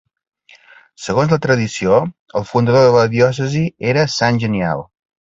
Segons la tradició, el fundador de la diòcesi era sant Genial.